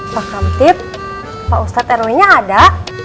pak kamtip pak ustadz rw nya ada